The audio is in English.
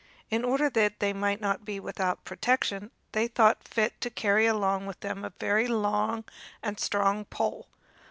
In order that they might not be without protection, they thought fit to carry along with them a very long and strong pole.